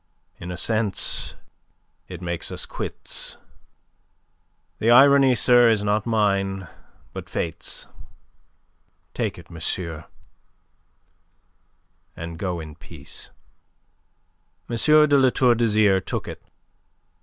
In a sense it makes us quits. The irony, sir, is not mine, but Fate's. Take it, monsieur, and go in peace." M. de La Tour d'Azyr took it.